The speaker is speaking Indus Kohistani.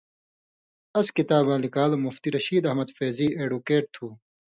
اس کتاباں لِکان٘لو مفتی رشید احمد فیضی ایڈوکیٹ تُھو